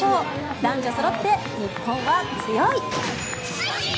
男女そろって日本は強い。